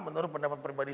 menurut pendapat pribadi